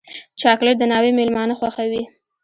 چاکلېټ د ناوې مېلمانه خوښوي.